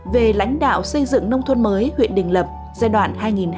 về lãnh đạo xây dựng nông thuận mới huyện đình lập giai đoạn hai nghìn hai mươi một hai nghìn hai mươi năm